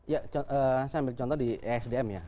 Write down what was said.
ya saya ambil contoh di esdm ya